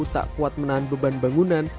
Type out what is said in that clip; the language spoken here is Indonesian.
tak kuat menahan beban bangunan